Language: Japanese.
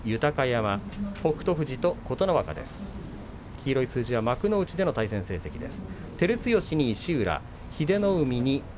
黄色い数字、幕内の対戦成績です。